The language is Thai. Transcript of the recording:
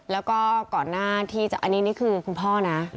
แล้วก็ก่อนหน้าที่จะอันนี้นี่คือคุณพ่อนะ